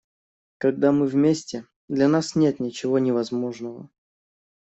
Когда мы вместе, для нас нет ничего невозможного.